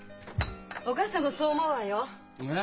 お母さんもそう思うわよ。え！？